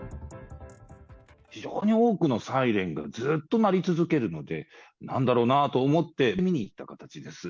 非常に多くのサイレンがずっと鳴り続けるので、なんだろうなと思って見に行った形です。